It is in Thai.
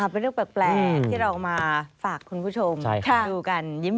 เป็นเรื่องแปลกที่เรามาฝากคุณผู้ชมดูกันยิ้ม